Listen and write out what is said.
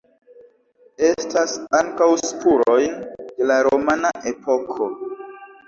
Estas ankaŭ spurojn de la romana epoko.